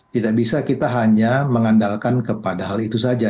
tidak bisa kita hanya mengandalkan kepada hal itu saja